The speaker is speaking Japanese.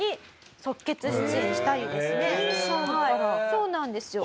そうなんですよ。